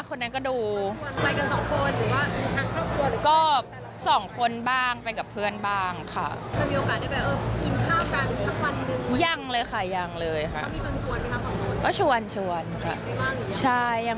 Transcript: ก็คือถ้ามีโอกาสก็ไปแน่นอน